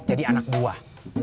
jadi anak buah